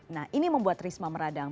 nah ini membuat risma meradang